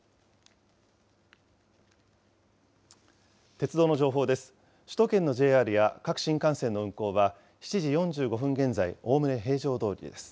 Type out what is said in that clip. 鉄道の情報です。